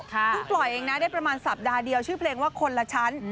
ปล่อยเองนะได้ประมาณสัปดาห์เดียวชื่อเพลงว่าคนละชั้น